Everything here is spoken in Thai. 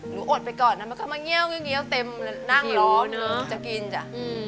หรืออดไปก่อนนะมันก็มาเงี้ยวเงี้ยวเต็มนั่งรอบจะกินจ้ะ